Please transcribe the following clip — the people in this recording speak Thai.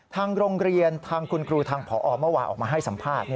ทางโรงเรียนทางคุณครูทางผอเมื่อวานออกมาให้สัมภาษณ์